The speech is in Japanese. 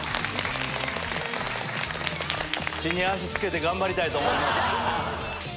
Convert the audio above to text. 地に足着けて頑張りたいと思います。